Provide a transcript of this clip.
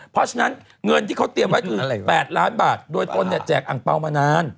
เพราะฉะนั้นเงินที่เขาเตรียมไว้คือ๘ล้านบาทโดยตนเนี่ยแจกอังเปล่ามานาน